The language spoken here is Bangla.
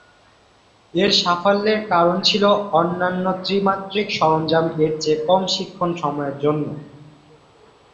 এর সাফল্যের কারণ ছিল অন্যান্য ত্রিমাত্রিক সরঞ্জাম এর চেয়ে কম শিক্ষণ সময়ের জন্য।